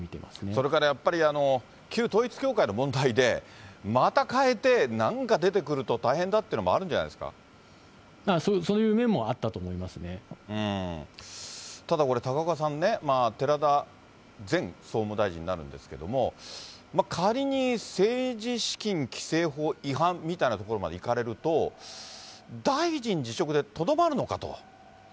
それからやっぱり旧統一教会の問題で、また代えてなんか出てくると大変だっていうのもあるんじゃないでそういう面もあったと思いまただこれ、高岡さんね、寺田前総務大臣になるんですけれども、仮に政治資金規正法違反みたいなところまでいかれると、大臣辞職でとどまるのかと。